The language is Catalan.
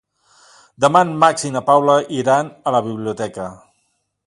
Demà en Max i na Paula iran a la biblioteca.